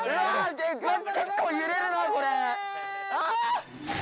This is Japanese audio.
結構揺れるなこれあ！